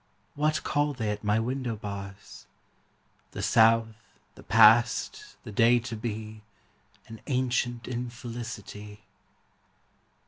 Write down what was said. What call they at my window bars? The South, the past, the day to be, An ancient infelicity.